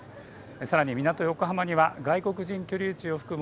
さらに港、横浜には外国人居住地を含む